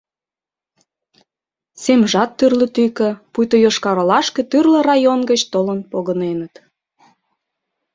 Семжат тӱрлӧ тӱкӧ, пуйто Йошкар-Олашке тӱрлӧ район гыч толын погыненыт.